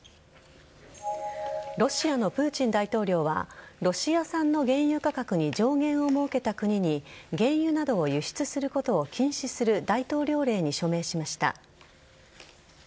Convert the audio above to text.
ロシアのプーチン大統領はロシア産の原油価格に上限を設けた国に原油などを輸出することを禁止する大統領令に署名しました。